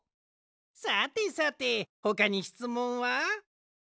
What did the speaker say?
さてさてほかにしつもんは？